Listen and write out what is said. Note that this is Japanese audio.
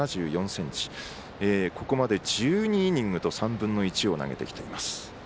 ここまで１２イニングと３分の１を投げてきています。